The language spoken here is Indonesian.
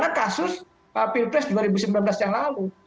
tapi masih di penjara karena kasus pilpres dua ribu sembilan belas yang lalu